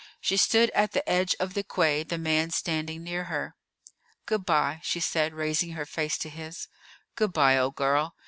She stood at the edge of the quay, the man standing near her. "Good by," she said, raising her face to his. "Good by, old girl.